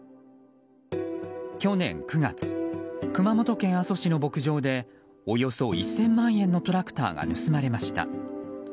去年９月、熊本県阿蘇市の牧場でおよそ１０００万円のトラクターが盗まれました。